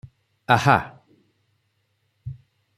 ଆହା!